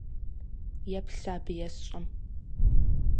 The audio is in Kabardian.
Еплъ сэ абы есщӏэм.